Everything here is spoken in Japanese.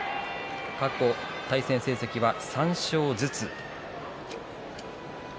過去対戦成績は３勝ずつ。